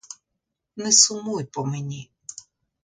Не сумуй по мені.